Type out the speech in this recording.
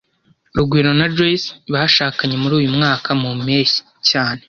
Rugwiro na Joyce bashakanye muri uyu mwaka mu mpeshyi cyane